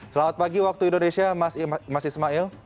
selamat pagi waktu indonesia mas ismail